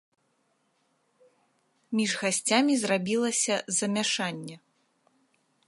Між гасцямі зрабілася замяшанне.